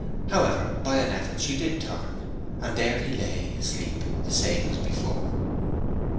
However, by an effort she did turn, when there he lay asleep the same as before.